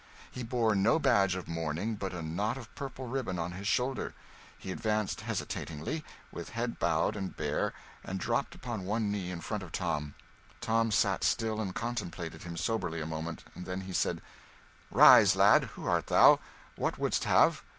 He bore no badge of mourning but a knot of purple ribbon on his shoulder. He advanced hesitatingly, with head bowed and bare, and dropped upon one knee in front of Tom. Tom sat still and contemplated him soberly a moment. Then he said "Rise, lad. Who art thou. What wouldst have?"